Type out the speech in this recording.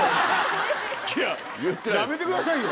やめてくださいよ。